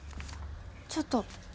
ちょっと。